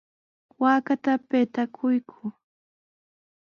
Waakata payta quykuu.